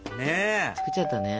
作っちゃったね。